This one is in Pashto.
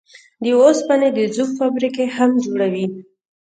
د اوسپنې د ذوب فابريکې هم جوړوي.